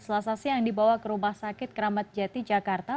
selesai yang dibawa ke rumah sakit keramat jati jakarta